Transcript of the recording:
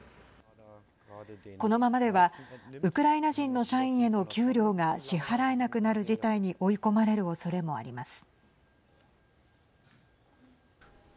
このままではウクライナ人の社員への給料が支払えなくなる事態に追い込まれるおそれもあります。